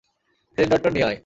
সিলিন্ডারটা নিয়ে আয়।